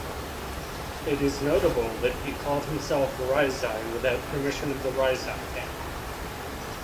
It is notable that he called himself Reizei without permission of the Reizei family.